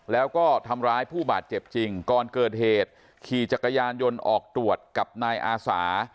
แล้วก็ทำร้ายผู้บาดเจ็บจริงก่อนเกิดเหตุขี่จักรยานยนต์ออกตรวจกับนายอาสา